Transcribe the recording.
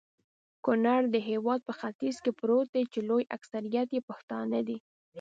کونړ د هيواد په ختیځ کي پروت دي.چي لوي اکثريت يي پښتانه دي